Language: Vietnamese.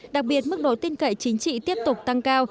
đặc biệt mức độ tin cậy chính trị tiếp tục tăng cao